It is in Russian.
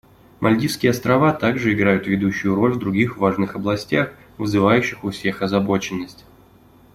Мальдивские Острова также играют ведущую роль в других важных областях, вызывающих у всех озабоченность.